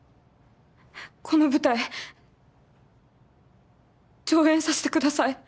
この舞台上演させてください。